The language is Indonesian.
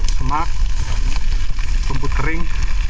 semak bumbu kering